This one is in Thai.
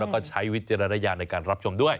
แล้วก็ใช้วิจารณญาณในการรับชมด้วย